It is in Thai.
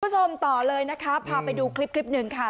คุณผู้ชมต่อเลยนะครับพาไปดูคลิปหนึ่งค่ะ